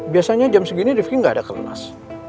biasanya jam segini rifki gak ada kelemas